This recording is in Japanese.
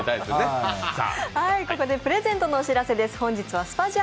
ここでプレゼントのお知らせです。